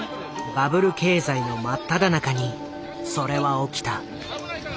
バブル経済の真っただ中にそれは起きた。